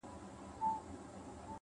نظم د بریالیتوب خاموش بنسټ دی’